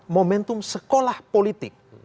momentum sekolah politik